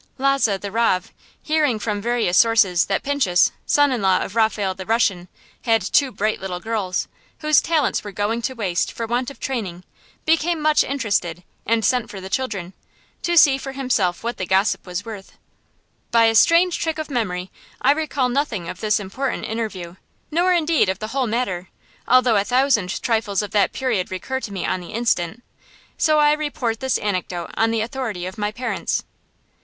Lozhe the Rav, hearing from various sources that Pinchus, son in law of Raphael the Russian, had two bright little girls, whose talents were going to waste for want of training, became much interested, and sent for the children, to see for himself what the gossip was worth. By a strange trick of memory I recall nothing of this important interview, nor indeed of the whole matter, although a thousand trifles of that period recur to me on the instant; so I report this anecdote on the authority of my parents.